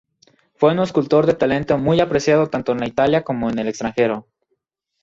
Fue un escultor de talento muy apreciado tanto en Italia como en el extranjero.